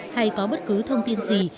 hay có bất cứ thông tin gì